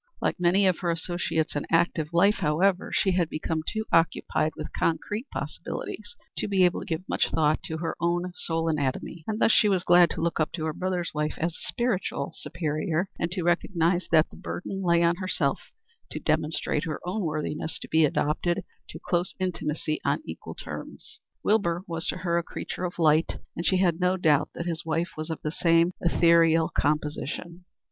Like many of her associates in active life, however, she had become too occupied with concrete possibilities to be able to give much thought to her own soul anatomy, and she was glad to look up to her brother's wife as a spiritual superior and to recognize that the burden lay on herself to demonstrate her own worthiness to be admitted to close intimacy on equal terms. Wilbur was to her a creature of light, and she had no doubt that his wife was of the same ethereal composition.